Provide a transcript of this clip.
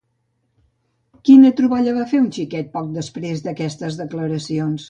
Quina troballa va fer un xiquet poc després d'aquestes declaracions?